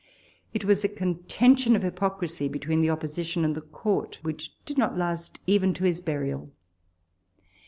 It was a contention of hypocrisy between the Opposition and the Court, which did not last even to his burial.